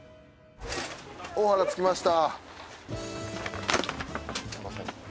大原着きました。